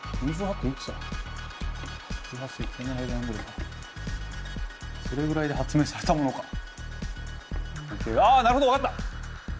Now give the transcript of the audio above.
でもそれぐらいで発明されたものか。